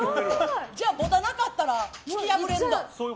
じゃあ持たなかったら突き破れるんだ。